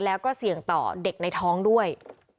แล้วก็เสี่ยงต่อเด็กในท้องด้วย